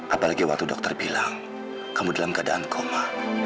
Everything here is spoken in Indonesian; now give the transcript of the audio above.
apalagi waktu dokter bilang kamu dalam keadaan koma